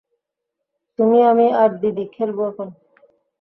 তুমি আমি আর দিদি খেলবো এখন?